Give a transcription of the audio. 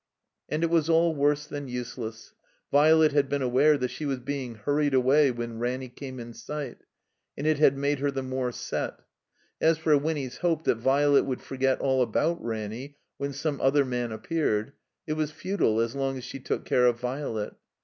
And it was all worse than useless. Violet had been aware that she was being hurried away when Ranny came in sight, and it had made her the more set. As for Winny's hope that Violet wotdd forget all about Ranny when some other man appeared, it was futile as long as she took care of Violet.